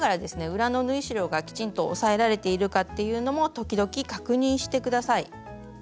裏の縫い代がきちんと押さえられているかっていうのも時々確認して下さい。